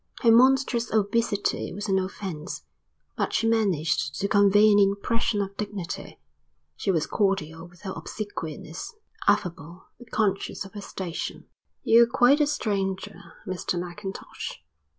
Her monstrous obesity was an offence, but she managed to convey an impression of dignity. She was cordial without obsequiousness; affable, but conscious of her station. "You're quite a stranger, Mr Mackintosh.